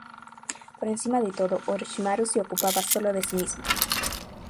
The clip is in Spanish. Por encima de todo, Orochimaru se ocupaba sólo de sí mismo.